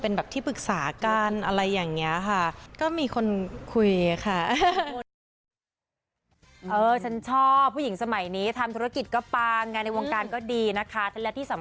เป็นที่ปรึกษาการอะไรอย่างนี้ค่ะ